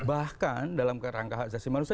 bahkan dalam rangka hak asasi manusia